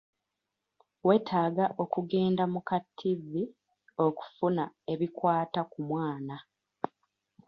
Weetaaga okugenda mu kattivi okufuna ebikwata ku mwana.